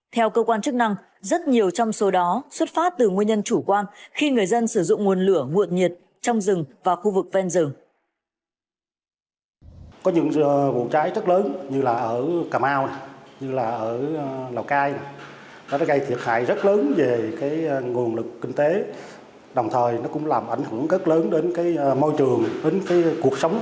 theo cơ quan chức năng rất nhiều trong số đó xuất phát từ nguyên nhân chủ quan khi người dân sử dụng nguồn lửa nguộn nhiệt trong rừng và khu vực ven rừng